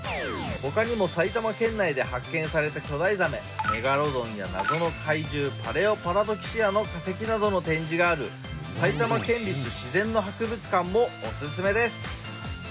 ほかにも埼玉県内で発見された巨大ザメ、メガロドンや謎の海獣、パレオパラドキシアの化石などの展示がある埼玉県立自然の博物館もおすすめです。